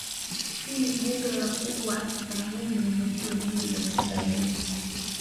Hii ni mbuga ya kubwa nayenye vivutio vingi vya kitalii